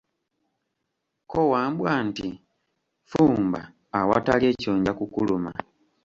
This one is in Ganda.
Ko Wambwa nti, fumba, awatali ekyo nja kukuluma.